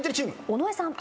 尾上さん。